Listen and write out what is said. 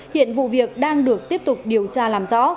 hiện vụ việc đang được tiếp tục điều tra làm rõ